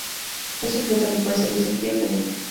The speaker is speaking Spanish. Es un plato que puede servirse frío o caliente.